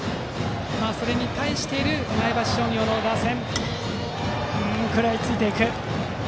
それに対している前橋商業の打線。